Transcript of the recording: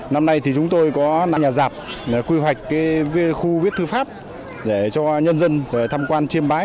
năm nay thì chúng tôi có năm nhà rạp quy hoạch khu viết thư pháp để cho nhân dân tham quan chiêm bái